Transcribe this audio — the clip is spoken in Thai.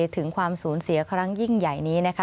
ถึงความสูญเสียครั้งยิ่งใหญ่นี้นะคะ